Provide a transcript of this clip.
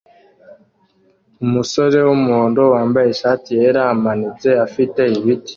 Umusore wumuhondo wambaye ishati yera amanitse afite ibiti